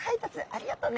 ありがとうね。